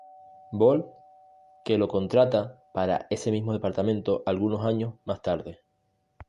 Bold que lo contrata para ese mismo Departamento algunos años más tarde.